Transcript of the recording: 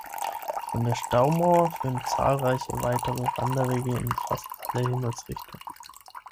Von der Staumauer führen zahlreiche weitere Wanderwege in fast alle Himmelsrichtungen.